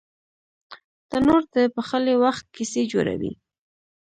تنور د پخلي وخت کیسې جوړوي